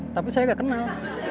tapi saya gak kenal